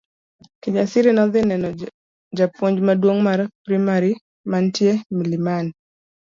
Kijasiri nodhi neno japuonj maduong' mar primari mantie Mlimani.